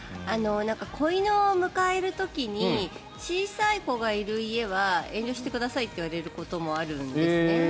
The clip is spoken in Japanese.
子犬を迎える時に小さい子がいる家は遠慮してくださいと言われることもあるんです。